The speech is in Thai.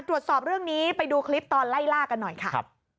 ตรวจสอบเรื่องนี้ไปดูคลิปตอนไล่ล่ากันหน่อยค่ะ